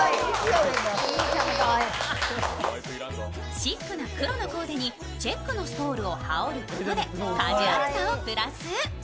シックな黒のコーデにチェックのストールを羽織ることでカジュアルさをプラス。